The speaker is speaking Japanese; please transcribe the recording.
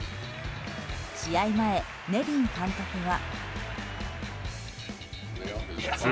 試合前、ネビン監督は。